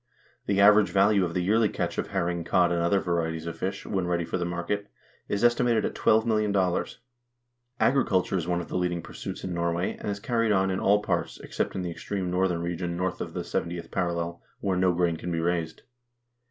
The average value of the yearly catch of herring, cod, and other varieties of fish, when ready for the market, is estimated at $12,000,000. Agriculture is one of the leading pur suits in Norway, and is carried on in all parts, except in the extreme northern region north of the 70th parallel, where no grain can be raised.